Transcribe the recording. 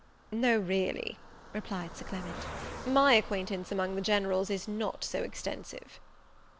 "No, really," replied Sir Clement, "my acquaintance among the generals is not so extensive."